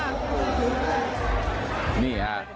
เขาทำให้พี่ไปเชื่อเขาอะ